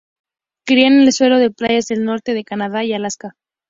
Cría en el suelo de playas del norte de Canadá y Alaska.